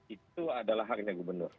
itu adalah harganya gubernur